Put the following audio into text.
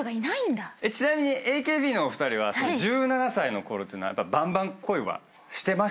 ちなみにＡＫＢのお二人は１７歳のころっていうのはばんばん恋はしてました？